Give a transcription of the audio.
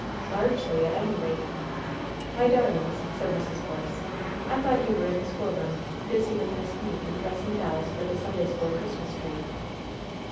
"Largely, at any rate." "My darlings," said Mrs. Force, "I thought you were in the schoolroom, busy with Miss Meeke in dressing dolls for the Sunday school Christmas tree."